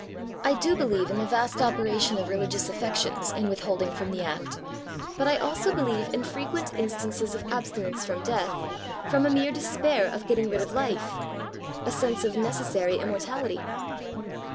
I do believe in the vast operation of religious affections in with holding firom the act: but I also believe in frequent instances of abstinence from death, from a mere despair of getting rid of life — a sense of necessary immortality.